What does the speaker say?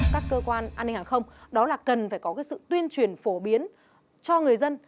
các cơ quan an ninh hàng không đó là cần phải có sự tuyên truyền phổ biến cho người dân